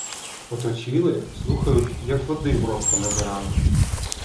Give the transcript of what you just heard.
Оточили, слухають, як води в рот понабирали.